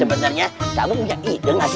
sebenarnya kamu punya ide gak sih